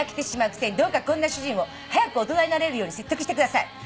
「どうかこんな主人を早く大人になれるように説得してください」